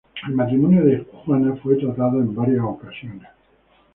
El matrimonio de Juana fue tratado en varias ocasiones.